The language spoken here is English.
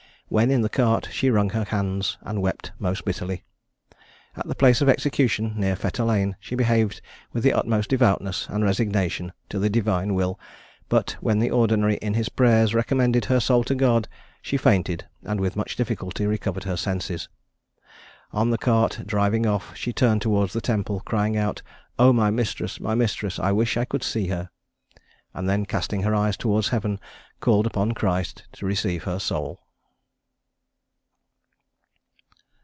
When in the cart, she wrung her hands and wept most bitterly. At the place of execution, near Fetter lane, she behaved with the utmost devoutness and resignation to the Divine will; but when the Ordinary, in his prayers, recommended her soul to God, she fainted, and with much difficulty recovered her senses. On the cart driving off, she turned towards the Temple, crying out, "Oh! my mistress, my mistress! I wish I could see her!" and then, casting her eyes towards heaven, called upon Christ to receive her soul.